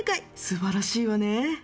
素晴らしいわね。